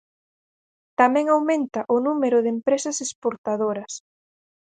Tamén aumenta o número de empresas exportadoras.